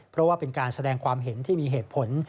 เพราะว่าเป็นการแสดงความเห็นที่มีเหตุผล